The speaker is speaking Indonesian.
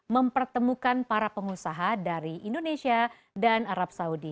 mempertemukan para pengusaha dari indonesia dan arab saudi